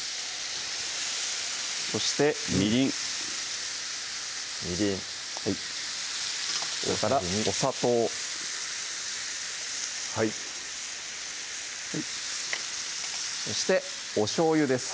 そしてみりんみりんそれからお砂糖はいそしておしょうゆです